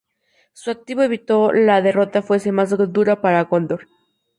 Su acción evitó que la derrota fuese, más dura para Gondor.